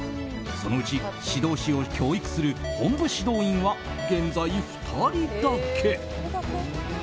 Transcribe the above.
そのうち、指導士を教育する本部指導員は現在２人だけ。